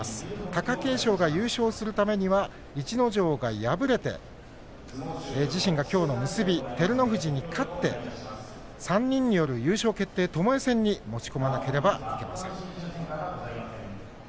貴景勝が優勝するためには逸ノ城が敗れて自身がきょうの結びで照ノ富士に勝って３人による優勝決定、ともえ戦に持ち込まなければなりません。